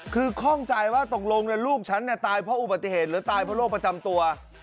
คือข้องใจว่าตกลงลูกฉันตายเพราะอุบัติเหตุหรือตายเพราะโรคประจำตัว